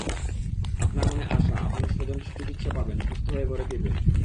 আপনার মনে আশা, আপনার স্বজন সুচিকিৎসা পাবেন, সুস্থ হয়ে ঘরে ফিরবেন।